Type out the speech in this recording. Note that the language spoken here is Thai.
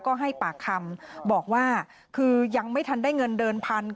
ก็ให้ปากคำบอกว่าคือยังไม่ทันได้เงินเดินพัน